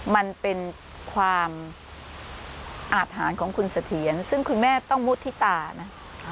มันเป็นความอาทหารของคุณเสถียรซึ่งคุณแม่ต้องมุฒิตานะ